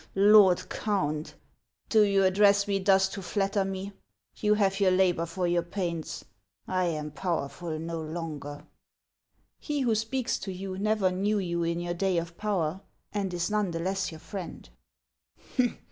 " Lord Count ! Do you address me thus to flatter me ? You have your labor for your pains ; I am powerful no longer." '' He who speaks to you never knew you in your day of power, and is none the less your friend."